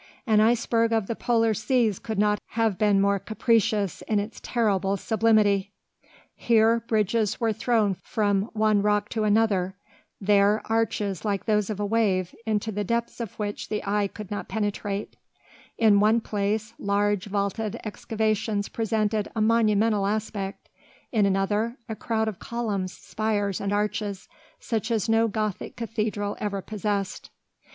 An iceberg of the Polar seas could not have been more capricious in its terrible sublimity! Here, bridges were thrown from one rock to another; there, arches like those of a wave, into the depths of which the eye could not penetrate; in one place, large vaulted excavations presented a monumental aspect; in another, a crowd of columns, spires, and arches, such as no Gothic cathedral ever possessed.